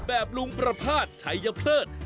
แบบลุงประพาทใช้ยะเพลิด